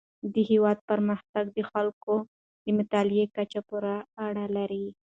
د هیواد پرمختګ د خلکو د مطالعې کچې پورې اړه لري.